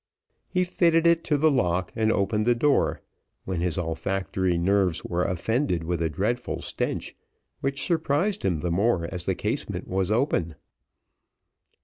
He fitted it to the lock and opened the door, when his olfactory nerves were offended with a dreadful stench, which surprised him the more as the casement was open.